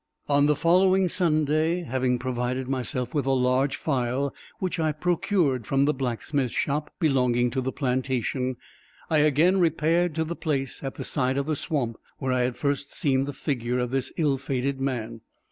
On the following Sunday, having provided myself with a large file, which I procured from the blacksmith's shop, belonging to the plantation, I again repaired to the place, at the side of the swamp, where I had first seen the figure of this ill fated man.